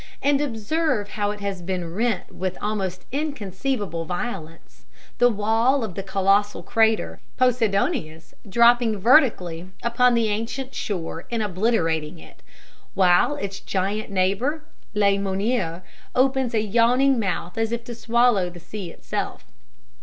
—and observe how it has been rent with almost inconceivable violence, the wall of the colossal crater Posidonius dropping vertically upon the ancient shore and obliterating it, while its giant neighbor, Le Monnier, opens a yawning mouth as if to swallow the sea itself.